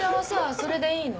それでいいの？